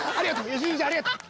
良純ちゃんありがとう。